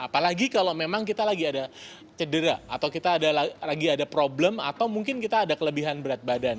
apalagi kalau memang kita lagi ada cedera atau kita lagi ada problem atau mungkin kita ada kelebihan berat badan